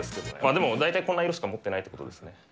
でも大体こんな色しか持ってないってことですね。